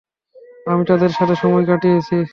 আমি তাদের সাথে সময় কাটিয়েছি।